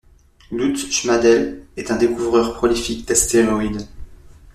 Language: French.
Lutz Schmadel est un découvreur prolifique d'astéroïdes.